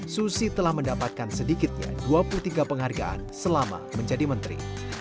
susi telah mendapatkan sedikitnya dua puluh tiga penghargaan selama menjadi menteri